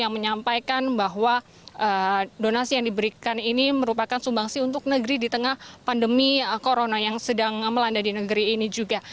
yang menyampaikan bahwa donasi yang diberikan ini merupakan sumbangsi untuk negeri di tengah pandemi corona yang sedang melanda di negeri ini juga